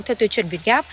theo tư chuẩn việt gáp